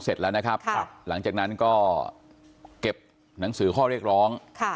เสร็จแล้วนะครับหลังจากนั้นก็เก็บหนังสือข้อเรียกร้อง